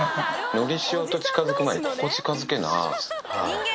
のりしおと近づく前にここ近づけな。